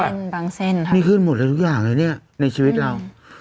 บางเส้นค่ะนี่ขึ้นหมดเลยทุกอย่างเลยเนี่ยในชีวิตเรา